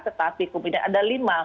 tetapi kemudian ada lima